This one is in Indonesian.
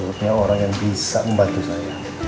selalu ada orang yang bisa membantu epic